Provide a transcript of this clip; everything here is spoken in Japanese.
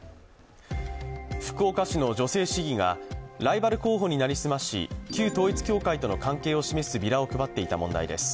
福岡市の女性市議がライバル候補に成り済まし、旧統一教会との関係を示すビラを配っていた問題です。